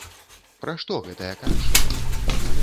Пра што гэтая карціна?